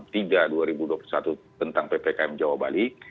tentang dua ribu dua puluh satu tentang ppkm jawa bali